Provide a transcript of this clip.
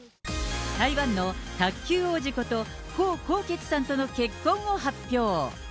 台湾の卓球王子こと、江宏傑さんとの結婚を発表。